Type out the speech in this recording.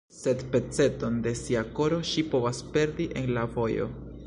Sed peceton de sia koro ŝi povas perdi en la vojo.